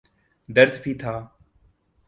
درد بھی تھا۔